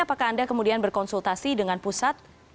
apakah anda kemudian berkonsultasi dengan pusat